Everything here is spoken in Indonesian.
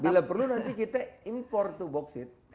bila perlu nanti kita import to boksit